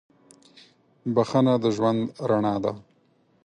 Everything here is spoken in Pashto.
• بخښنه د ژوند رڼا ده.